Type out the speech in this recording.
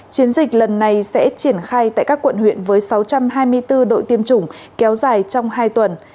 chiến dịch lần này sẽ triển khai tại các quận huyện với sáu trăm hai mươi bốn đội tiêm chủng kéo dài trong hai tuần